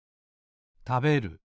たべる。